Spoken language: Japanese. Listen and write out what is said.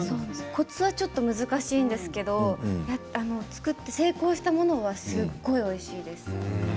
コツは難しいんですけれど成功したものはすごくおいしいです。